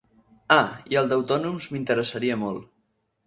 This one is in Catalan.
Ah, i el d'autònoms m'interessaria molt.